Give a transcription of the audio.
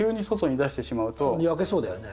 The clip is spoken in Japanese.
焼けそうだよね。